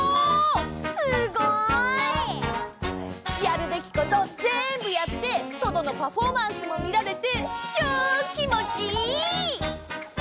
すごい！やるべきことぜんぶやってトドのパフォーマンスもみられてちょうきもちいい！